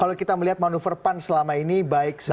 kalau kita melihat manuver pan selama ini baik